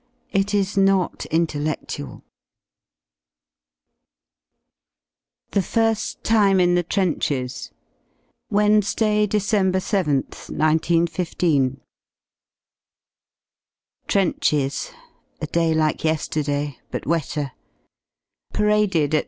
It is not intelledual. THE FIRST TIME IN THE TRENCHES Wednesday, Dec. 7th, 191 5. Trenches. A day like ye^erday, but wetter. Paraded at 3.